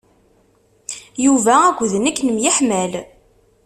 Yuba akked nekk nemyeḥmal.